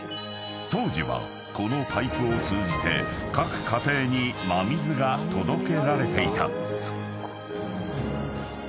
［当時はこのパイプを通じて各家庭に真水が届けられていた］